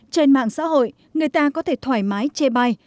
trên mạng xã hội người ta có thể thoải mái chê bai